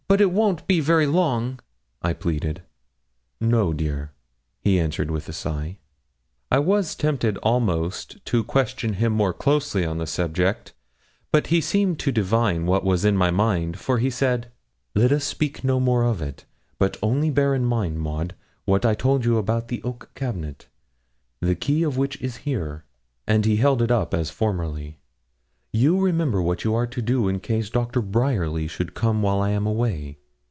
'It won't be very long,' I pleaded. 'No, dear,' he answered with a sigh. I was tempted almost to question him more closely on the subject, but he seemed to divine what was in my mind, for he said 'Let us speak no more of it, but only bear in mind, Maud, what I told you about the oak cabinet, the key of which is here,' and he held it up as formerly: 'you remember what you are to do in case Doctor Bryerly should come while I am away?'